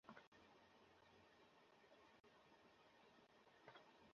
এটা একটা জঘন্য বুদ্ধি।